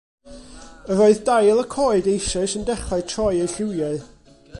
Yr oedd dail y coed eisoes yn dechrau troi eu lliwiau.